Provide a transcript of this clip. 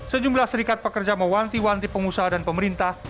sejumlah serikat pekerja mewanti wanti pengusaha dan pemerintah